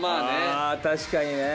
あ確かにね。